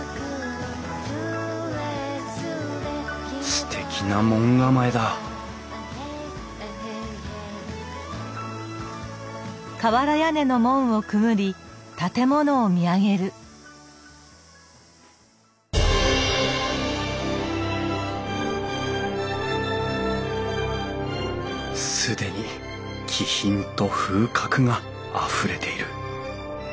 すてきな門構えだ既に気品と風格があふれている。